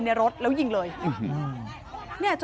ตอนนี้ก็ไม่มีอัศวินทรีย์ที่สุดขึ้นแต่ก็ไม่มีอัศวินทรีย์ที่สุดขึ้น